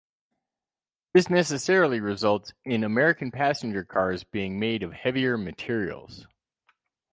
This necessarily results in American passenger cars being made of heavier materials.